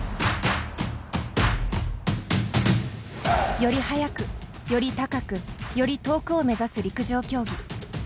より速く、より高くより遠くを目指す陸上競技。